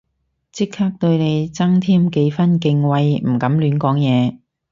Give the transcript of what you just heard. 即刻對你增添幾分敬畏唔敢亂講嘢